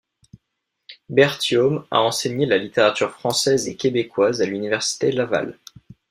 Berthiaume a enseigné la littérature française et québécoise à l’Université Laval.